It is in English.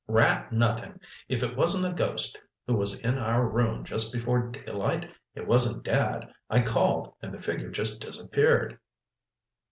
"Rat, nothing! If it wasn't a ghost, who was in our room just before daylight? It wasn't Dad. I called and the figure just disappeared."